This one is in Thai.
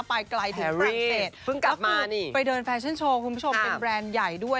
ไปไกลถึงฝรั่งเศสเพิ่งกลับมาไปเดินแฟชั่นโชว์คุณผู้ชมเป็นแบรนด์ใหญ่ด้วย